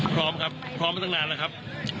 พร้อมครับพร้อมมาตั้งนานแล้วครับ